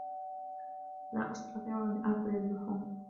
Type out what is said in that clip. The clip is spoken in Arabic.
لا أستطيع أن آكل اللحوم.